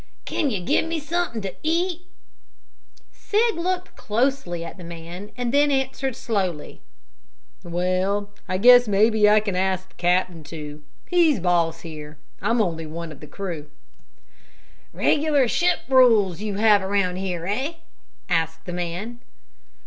"Can you give me somethin' to eat?" Sig looked at the man closely and then answered slowly: "Well, I guess maybe I can ask the captain to. He's boss here. I'm only one of the crew." "Regular ship rules you have around here; eh?" asked the man.